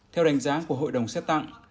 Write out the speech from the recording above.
theo đánh giá của hội đồng xét tặng